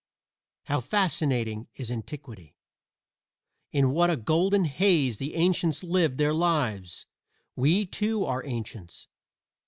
How fascinating is Antiquity! in what a golden haze the ancients lived their lives! We, too, are ancients.